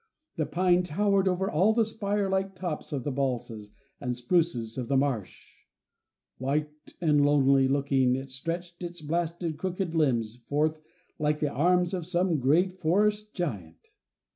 The pine towered over all the spire like tops of the balsams and spruces of the marsh; white and lonely looking it stretched its blasted, crooked limbs forth like the arms of some great forest giant.